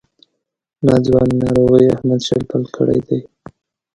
ناځوانه ناروغۍ احمد شل پل کړی دی.